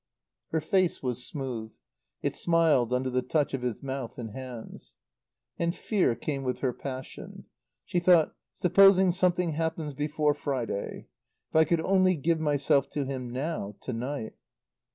Her face was smooth; it smiled under the touch of his mouth and hands. And fear came with her passion. She thought, "Supposing something happens before Friday. If I could only give myself to him now to night."